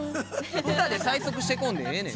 歌で催促してこんでええねん。